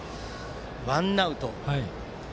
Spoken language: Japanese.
ワンアウト。